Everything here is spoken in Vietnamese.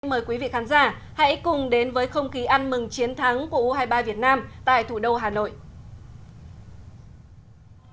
mời quý vị khán giả hãy cùng đến với không khí ăn mừng chiến thắng của u hai mươi ba việt nam tại thủ đô hà nội